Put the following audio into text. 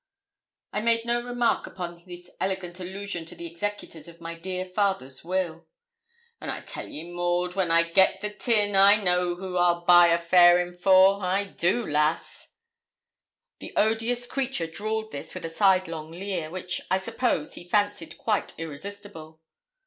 I made no remark upon this elegant allusion to the executors of my dear father's will. 'An' I tell ye, Maud, when I git the tin, I know who I'll buy a farin' for. I do, lass.' The odious creature drawled this with a sidelong leer, which, I suppose, he fancied quite irresistible.